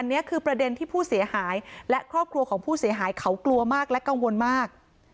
อันนี้คือประเด็นที่ผู้เสียหายและครอบครัวของผู้เสียหายเขากลัวมากและกังวลมาก